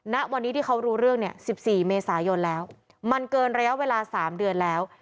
ณวันนี้ที่เขารู้เรื่องเนี่ย๑๔เมษายนแล้วมันเกินระยะเวลา๓เดือนแล้ว